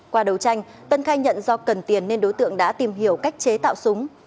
qua đấu tranh tân khai nhận do cần tiền nên đối tượng đã tìm hiểu cách chế tạo súng